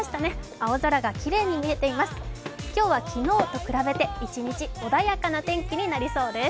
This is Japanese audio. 青空がきれいに見えています。